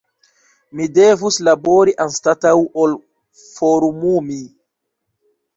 Mi devus labori anstataŭ ol forumumi.